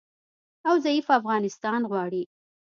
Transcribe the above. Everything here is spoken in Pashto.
او ضعیفه افغانستان غواړي